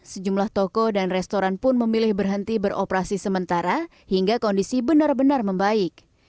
sejumlah toko dan restoran pun memilih berhenti beroperasi sementara hingga kondisi benar benar membaik